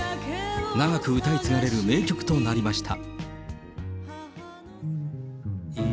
長く歌い継がれる名曲となりました。